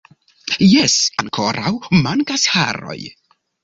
Jes, ankoraŭ mankas haroj